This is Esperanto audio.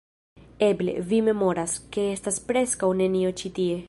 Eble, vi memoras, ke estas preskaŭ nenio ĉi tie